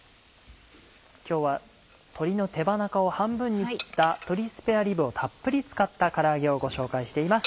今日は鶏の手羽中を半分に切った鶏スペアリブをたっぷり使ったから揚げをご紹介しています。